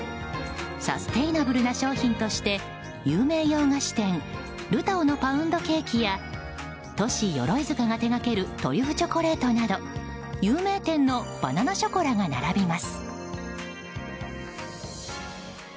サステイナブルな商品として有名洋菓子店ルタオのパウンドケーキやトシ・ヨロイヅカが手掛けるトリュフチョコレートなど有名店のバナナショコラが並びます。